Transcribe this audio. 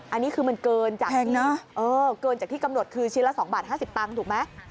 อันนี้คือมันเกินจากเกินจากที่กำหนดคือชิ้นละ๒บาท๕๐ตังค์ถูกไหม